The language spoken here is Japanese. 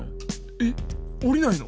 えっ？おりないの？